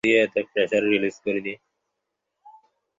ললিতার প্রতি বিনয়ের মনের ভাব যে কী এতদিন তাহা বিনয়ের কাছে স্পষ্ট ছিল না।